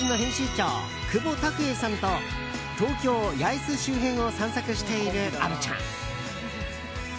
長久保拓英さんと東京・八重洲周辺を散策している虻ちゃん。